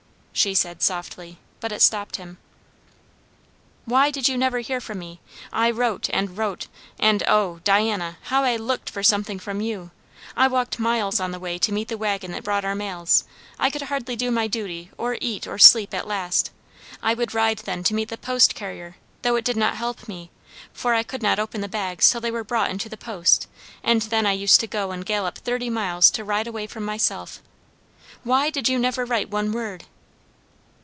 she said softly, but it stopped him. "Why did you never hear from me? I wrote, and wrote, and O, Diana, how I looked for something from you! I walked miles on the way to meet the waggon that brought our mails; I could hardly do my duty, or eat, or sleep, at last. I would ride then to meet the post carrier, though it did not help me, for I could not open the bags till they were brought into the post; and then I used to go and gallop thirty miles to ride away from myself. Why did you never write one word?"